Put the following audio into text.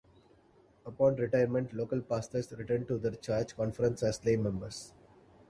Upon retirement, local pastors return to their charge conference as lay members.